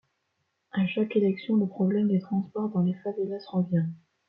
À chaque élection le problème des transports dans les favelas revient.